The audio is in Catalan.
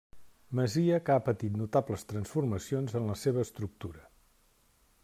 Masia que ha patit notables transformacions en la seva estructura.